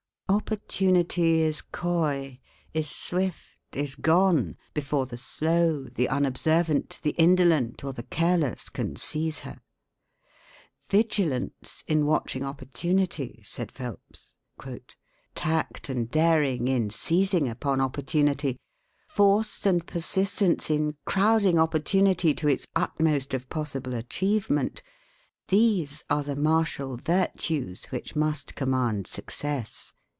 Opportunity is coy, is swift, is gone, before the slow, the unobservant, the indolent, or the careless can seize her. "Vigilance in watching opportunity," said Phelps, "tact and daring in seizing upon opportunity; force and persistence in crowding opportunity to its utmost of possible achievement these are the martial virtues which must command success."